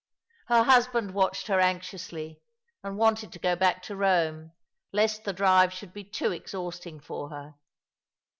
Her husband watched her anxiously, and wanted to go back to Eome, lest the drive should be too exhausting for her.